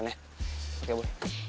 sampai jumpa bu